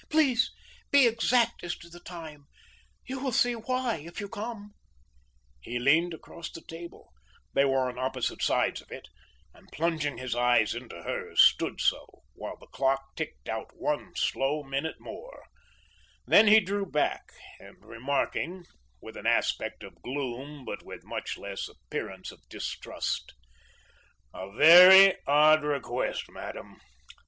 Please, be exact as to the time. You will see why, if you come." He leaned across the table they were on opposite sides of it and plunging his eyes into hers stood so, while the clock ticked out one slow minute more, then he drew back, and remarking with an aspect of gloom but with much less appearance of distrust: "A very odd request, madam.